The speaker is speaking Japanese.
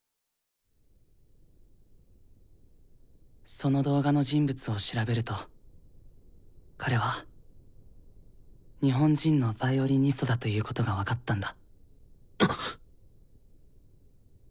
その動画の人物を調べると彼は日本人のヴァイオリニストだということが分かったんだ。